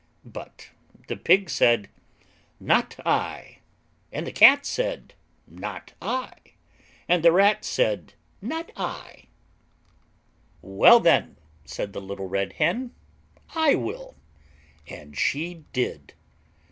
But the Pig said, "Not I," and the Cat said, "Not I," and the Rat said, "Not I." "Well, then," said the Little Red Hen, "I will." And she did.